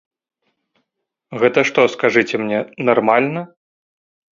Гэта што, скажыце мне, нармальна?